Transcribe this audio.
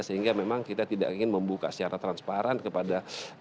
sehingga memang kita tidak ingin membuka secara transparan kepada